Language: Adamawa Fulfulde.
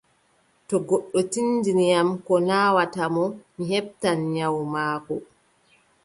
To goddo tinndini am ko naawata mo, mi heɓtan nyawu maako.